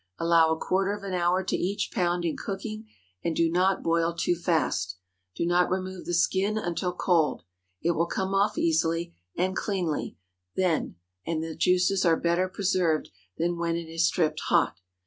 Allow a quarter of an hour to each pound in cooking, and do not boil too fast. Do not remove the skin until cold; it will come off easily and cleanly then, and the juices are better preserved than when it is stripped hot.